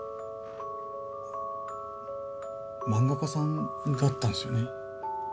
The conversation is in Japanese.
漫画家さんだったんですよね？